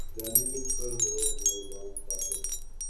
جانے کس پر ہو مہرباں قاتل